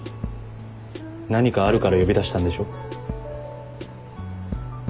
何かあるから呼び出したんでしょ？